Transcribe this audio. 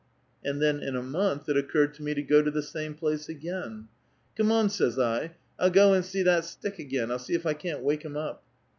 " And then in a month it occurred to me to go to the same place again. ' Come on,' says I, ' I'll go and see that stick again ; I'll see if I can't wake him up.